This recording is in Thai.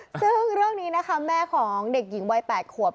ซึ่งเรื่องนี้นะคะแม่ของเด็กหญิงวัย๘ขวบ